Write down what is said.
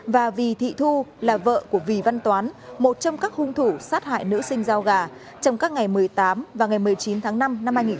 và vì thị thu là vợ của vì văn toán một trong các hung thủ sát hại nữ sinh giao gà trong các ngày một mươi tám và ngày một mươi chín tháng năm năm hai nghìn một mươi chín